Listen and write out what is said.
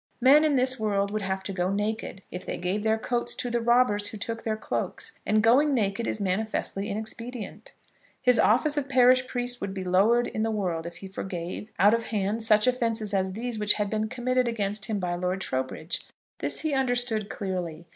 Men in this world would have to go naked if they gave their coats to the robbers who took their cloaks; and going naked is manifestly inexpedient. His office of parish priest would be lowered in the world if he forgave, out of hand, such offences as these which had been committed against him by Lord Trowbridge. This he understood clearly.